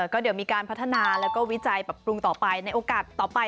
ก็เดี๋ยวมีการพัฒนาแล้วก็วิจัยปรับปรุงต่อไปในโอกาสต่อไป